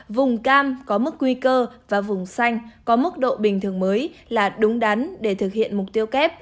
vùng cam có mức nguy cơ và vùng xanh có mức độ bình thường mới là đúng đắn để thực hiện mục tiêu kép